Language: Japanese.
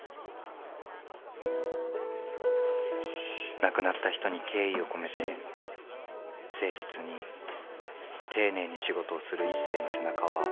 亡くなった人に敬意を込めて誠実に丁寧に仕事をする一星の背中は美しかった。